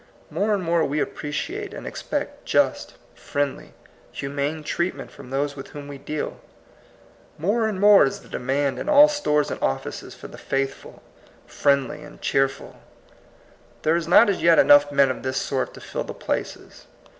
More and more we appre ciate and expect just, friendly, humane treatment from those with whom we deal. More and more is the demand in all stores and offices for the faithful, friendly, and cheerful. There are not as yet enough men of this sort to fill the places.